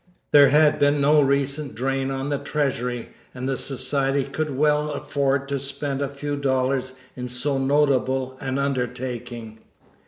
There had been no recent drain on the treasury, and the society could well afford to spend a few dollars in so notable an undertaking.